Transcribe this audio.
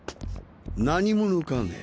何者かね？